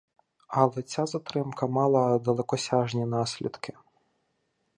Але ця затримка мала далекосяжні наслідки.